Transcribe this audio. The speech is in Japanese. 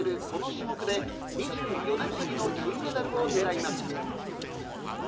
この種目で２４年ぶりの金メダルを狙います。